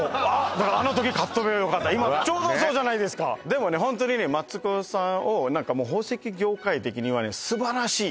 だからあの時買っておけばよかった今ちょうどそうじゃないですかでもねホントにねマツコさんを何かもう宝石業界的にはね素晴らしい